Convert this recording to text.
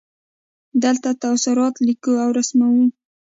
دلته تصورات لیکو او رسموو.